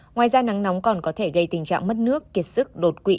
ngoài ra nắng nóng còn có thể gây tình trạng mất nước kiệt sức đột quỵ